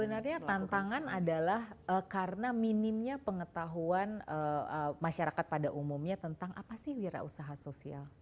sebenarnya tantangan adalah karena minimnya pengetahuan masyarakat pada umumnya tentang apa sih wira usaha sosial